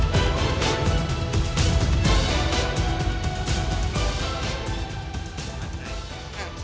โปรดติดตามตอนต่อไป